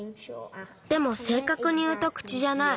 でもせいかくにいうと口じゃない。